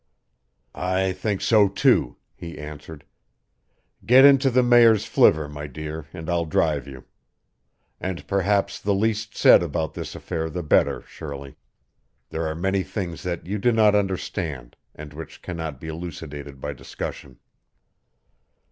"I think so, too," he answered. "Get into the Mayor's flivver, my dear, and I'll drive you. And perhaps the least said about this affair the better, Shirley. There are many things that you do not understand and which cannot be elucidated by discussion."